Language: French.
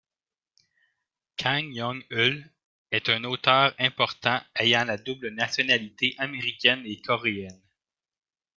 Kang Yong-heul est un auteur important ayant la double nationalité américaine et coréenne.